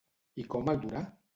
I com el durà?